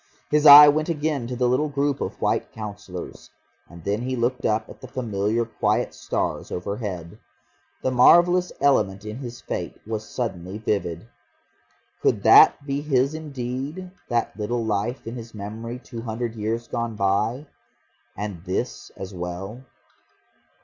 His eye went again to the little group of White Councillors. And then he looked up at the familiar quiet stars overhead. The marvellous element in his fate was suddenly vivid. Could that be his indeed, that little life in his memory two hundred years gone by and this as well?